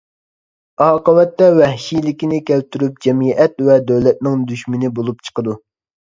ئاقىۋەتتە ۋەھشىيلىكنى كەلتۈرۈپ جەمئىيەت ۋە دۆلەتنىڭ دۈشمىنى بولۇپ چىقىدۇ.